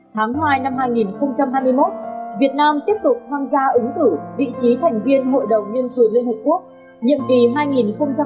tháng hai năm hai nghìn hai mươi một việt nam tiếp tục tham gia ứng thử vị trí thành viên hội đồng nhân quyền liên hợp quốc